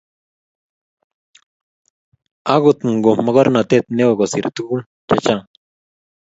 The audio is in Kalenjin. akungut ko mokornotet neo kosir tukul chechang